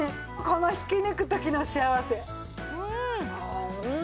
この引き抜く時の幸せ。